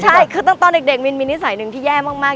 ใช่คือตอนเด็กมินมีนิสัยหนึ่งที่แย่มาก